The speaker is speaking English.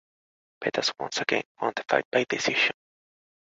Pettas once again won the fight by decision.